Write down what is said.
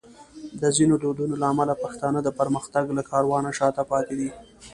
د ځینو دودونو له امله پښتانه د پرمختګ له کاروانه شاته پاتې دي.